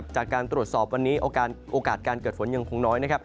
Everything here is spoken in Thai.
จากการตรวจสอบวันนี้โอกาสการเกิดฝนยังคงน้อยนะครับ